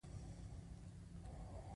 رهبري په فعالیتونو د افرادو اغیزه ده.